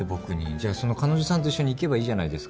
じゃあその彼女さんと一緒に行けばいいじゃないですか。